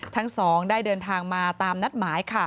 ทั้งสองได้เดินทางมาตามนัดหมายค่ะ